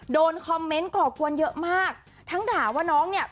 โดนคอมเมนต์ก่อกวนเยอะมากทั้งด่าว่าน้องเนี่ย